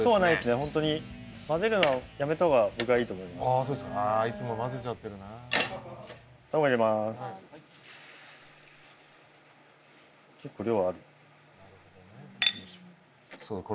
本当に混ぜるのはやめたほうが僕はいいと思いますそうですかあいつも混ぜちゃってるな卵入れます・結構量あるこれ